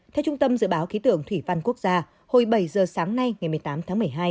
theo trung tâm dự báo khí tượng thủy văn quốc gia hồi bảy giờ sáng nay ngày một mươi tám tháng một mươi hai